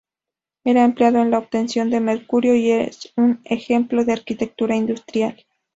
Era empleado en la obtención de mercurio y es un ejemplo de arquitectura industrial.